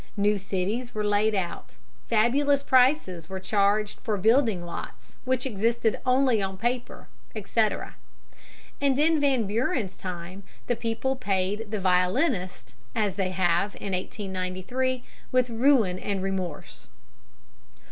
New cities were laid out; fabulous prices were charged for building lots which existed only on paper" etc. And in Van Buren's time the people paid the violinist, as they have in 1893, with ruin and remorse.